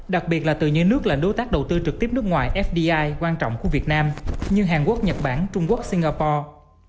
đặc biệt là từ những nước là đối tác đầu tư trực tiếp nước ngoài fdi quan trọng của việt nam như hàn quốc nhật bản trung quốc singapore